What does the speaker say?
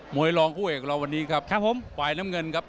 วยรองผู้เอกเราวันนี้ครับครับผมฝ่ายน้ำเงินครับ